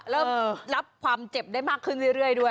รับความเจ็บได้มากขึ้นเรื่อยด้วย